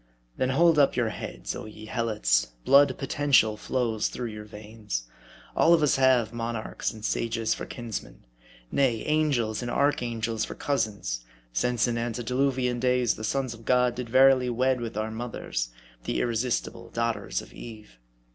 Then hold up your heads, oh ye Helots, blood potential flows through your veins. All of us have monarchs and sages for kinsmen ; nay, angels and archangels for cousins ; since in antediluvian days, the sons of God did verily wed with our mothers, the irresistible daughters of Eve.